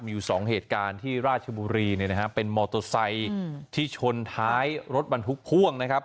มีอยู่สองเหตุการณ์ที่ราชบุรีเนี่ยนะฮะเป็นมอเตอร์ไซค์ที่ชนท้ายรถบรรทุกพ่วงนะครับ